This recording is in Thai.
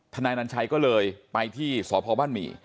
ทนายนันชัยก็เลยไปที่สพมี